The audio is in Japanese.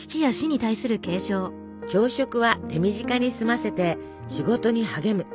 朝食は手短に済ませて仕事に励む。